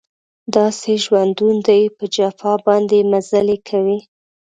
داسې ژوندون دی په جفا باندې مزلې کوي